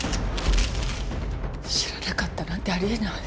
知らなかったなんてあり得ない。